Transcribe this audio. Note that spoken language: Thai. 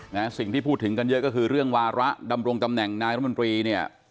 นะฮะสิ่งที่พูดถึงกันเยอะก็คือเรื่องวาระดำรงตำแหน่งนายรัฐมนตรีเนี่ย